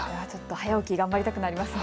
早起き頑張りたくなりますね。